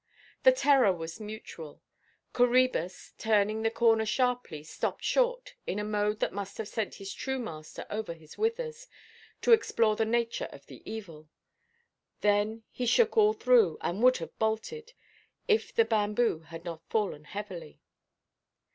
The terror was mutual. Coræbus, turning the corner sharply, stopped short, in a mode that must have sent his true master over his withers, to explore the nature of the evil. Then he shook all through, and would have bolted, if the bamboo had not fallen heavily.